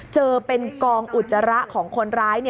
เจอเป็นกองอุจจาระของคนร้าย